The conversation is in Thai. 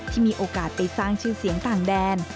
ที่มีโอกาสไปสร้างชื่อเสียงต่างแดน